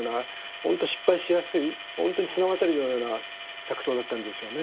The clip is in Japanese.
ほんと失敗しやすいほんとに綱渡りのような作陶だったんでしょうね。